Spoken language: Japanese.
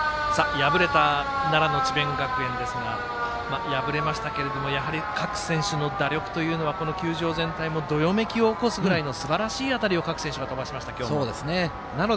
敗れた奈良の智弁学園ですが敗れましたけども各選手の打力というのはこの球場全体もどよめきを起こすぐらいのすばらしい当たりを各選手が飛ばしました。